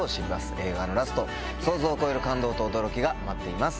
映画のラスト想像を超える感動と驚きが待っています。